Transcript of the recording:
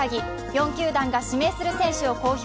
４球団が指名する選手を公表。